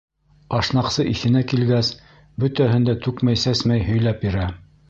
Ашнаҡсы иҫенә килгәс, бөтәһен дә түкмәй-сәсмәй һөйләп бирә.